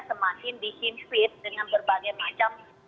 semakin dihimpit dengan berbagai macam